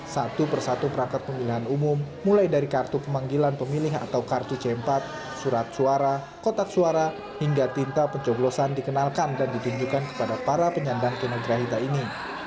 satu persatu perangkat pemilihan umum mulai dari kartu pemanggilan pemilih atau kartu c empat surat suara kotak suara hingga tinta pencoblosan dikenalkan dan ditunjukkan kepada para penyandang kenograhita ini